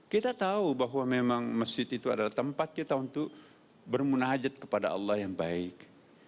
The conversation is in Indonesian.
kita tahu bahwa memang masjid itu adalah tempat kita untuk bermunahajat kepada allah yang baik